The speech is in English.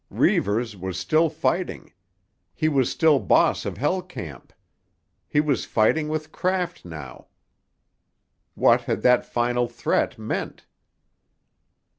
Reivers was still fighting. He was still boss of Hell Camp. He was fighting with craft now. What had that final threat meant?